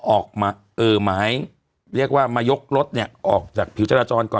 ออกหมายเรียกว่ามายกรถเนี่ยออกจากผิวจราจรก่อน